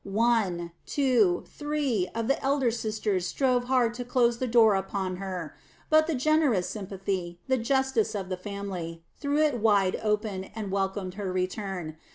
One, two, three, of the elder sisters strove hard to close the door upon her; but the generous sympathy, the justice of the family, threw it wide open, and welcomed her return.